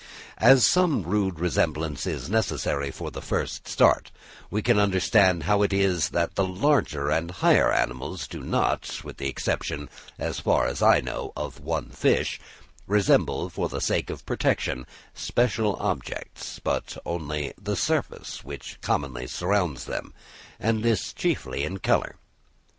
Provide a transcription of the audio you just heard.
As some rude resemblance is necessary for the first start, we can understand how it is that the larger and higher animals do not (with the exception, as far as I know, of one fish) resemble for the sake of protection special objects, but only the surface which commonly surrounds them, and this chiefly in colour.